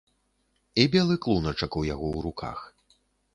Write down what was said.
І белы клуначак у яго ў руках.